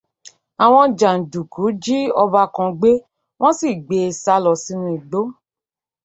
Àwọn jàndùkú jí ọba kan gbé, wọ́n sì gbée sálọ sínú igbó